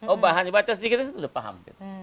oh bahannya baca sedikit sudah paham